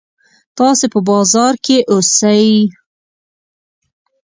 تاسې په بازار کې اوسئ.